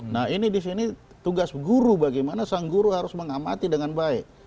nah ini di sini tugas guru bagaimana sang guru harus mengamati dengan baik